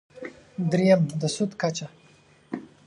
درېیم: د سود کچه.